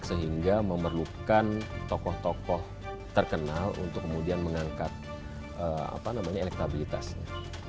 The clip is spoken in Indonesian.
sehingga memerlukan tokoh tokoh terkenal untuk kemudian mengangkat elektabilitasnya